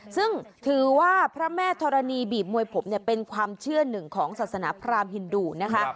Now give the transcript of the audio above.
ซึ่งถือว่าพระแม่ธรณีบีบมวยผมเนี่ยเป็นความเชื่อหนึ่งของศาสนาพรามฮินดูนะคะ